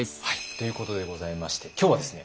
ということでございまして今日はですね